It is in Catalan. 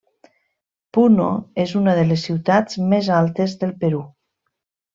Puno és una de les ciutats més altes del Perú.